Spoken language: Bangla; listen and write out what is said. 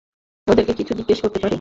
ওদেরকে কিছু জিজ্ঞেস করতে পারি?